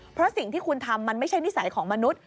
เพราะสิ่งที่คุณทำมันไม่ใช่นิสัยของมนุษย